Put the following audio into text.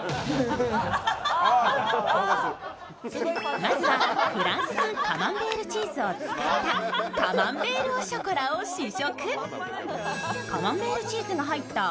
まずはフランス産カマンベールチーズを使ったカマンベールオショコラを試食。